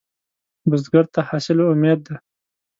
بزګر ته حاصل امید دی